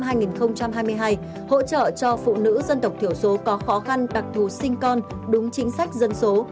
hỗ trợ cho phụ nữ dân tộc thiểu số có khó khăn đặc thù sinh con đúng chính sách dân số